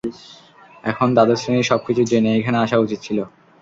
এখন দ্বাদশ শ্রেণী সব কিছু জেনে এখানে আসা উচিত ছিল।